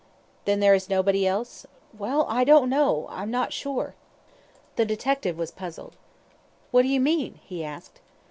"Then there is nobody else?" "Well, I don't know I'm not sure." The detective was puzzled. "What do you mean?" he asked.